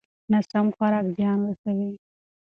ناسم خوراک زیان رسوي.